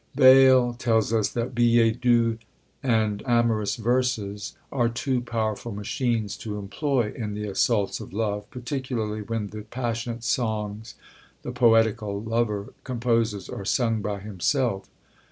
Bayle tells us that billets doux and amorous verses are two powerful machines to employ in the assaults of love, particularly when the passionate songs the poetical lover composes are sung by himself.